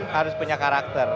harus punya karakter